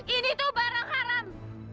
ini tuh barang haram